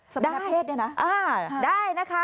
สำนักเพศเนี่ยนะอ่าได้นะคะ